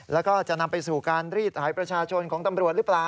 แล้วก็จะนำไปสู่การรีดหายประชาชนของตำรวจหรือเปล่า